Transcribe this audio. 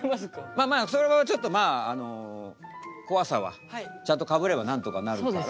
まあまあそれはちょっとまあ怖さはちゃんとかぶればなんとかなるから。